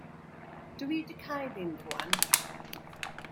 Dw i 'di cael un rŵan.